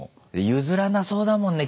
譲らなそうだもんね